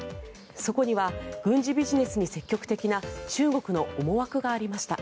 そこには軍事ビジネスに積極的な中国の思惑がありました。